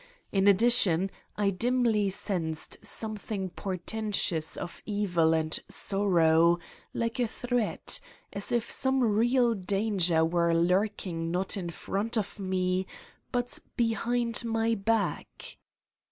In addition, I dimly sensed something portentous of evil and sorrow, like a threat : as if some real danger were lurking not in front of me but behind my back.